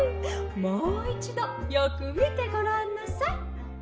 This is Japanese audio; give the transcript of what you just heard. もういちどよくみてごらんなさい」。